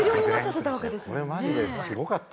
これマジですごかった。